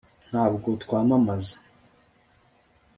ntabwo twamamaza